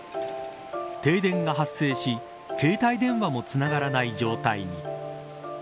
停電が発生し、携帯電話もつながらない状態に。